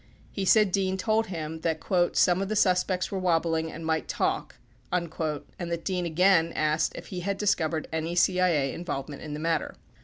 He said Dean told him that "some of the suspects were wobbling and might talk" and that Dean again asked if he had discovered any CIA involvement in the matter.